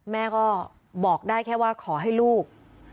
แม่ก็บอกได้แค่ว่าขอให้ลูก